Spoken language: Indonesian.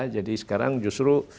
jadi sekarang justru